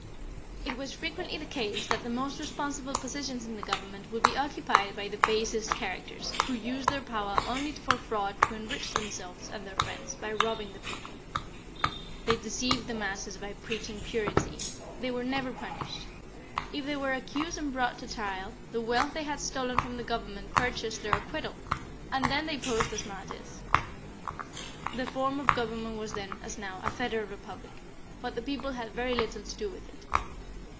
It was frequently the case that the most responsible positions in the Government would be occupied by the basest characters, who used their power only for fraud to enrich themselves and their friends by robbing the people. They deceived the masses by preaching purity. They were never punished. If they were accused and brought to trial, the wealth they had stolen from the government purchased their acquittal, and then they posed as martyrs. The form of government was then, as now, a Federal Republic, but the people had very little to do with it.